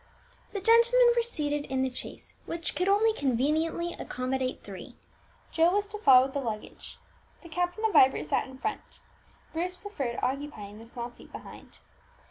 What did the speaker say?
The gentlemen were soon in the chaise, which could only conveniently accommodate three; Joe was to follow with the luggage. The captain and Vibert sat in front; Bruce preferred occupying the small seat behind.